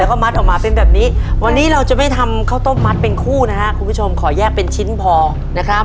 แล้วก็มัดออกมาเป็นแบบนี้วันนี้เราจะไม่ทำข้าวต้มมัดเป็นคู่นะฮะคุณผู้ชมขอแยกเป็นชิ้นพอนะครับ